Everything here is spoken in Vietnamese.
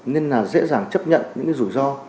nên là dễ dàng chấp nhận những rủi ro